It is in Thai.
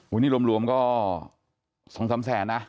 อุ้ยนี่รวมก็๒๓แสนนะ